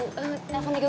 ke at melaburkan aku pada